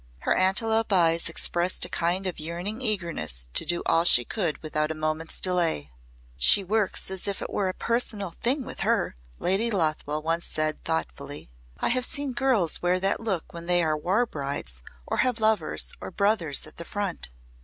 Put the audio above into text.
Her antelope eyes expressed a kind of yearning eagerness to do all she could without a moment's delay. "She works as if it were a personal thing with her," Lady Lothwell once said thoughtfully. "I have seen girls wear that look when they are war brides or have lovers or brothers at the front."